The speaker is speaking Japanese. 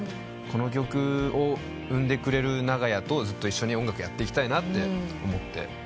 この曲を生んでくれる長屋とずっと一緒に音楽やっていきたいなって思って。